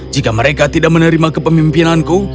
jika mereka tidak menerima kepemimpinanku